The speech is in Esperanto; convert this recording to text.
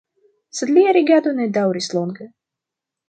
Sed lia regado ne daŭris longe.